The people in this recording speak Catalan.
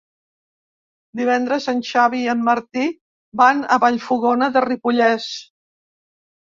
Divendres en Xavi i en Martí van a Vallfogona de Ripollès.